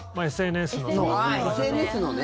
ＳＮＳのね。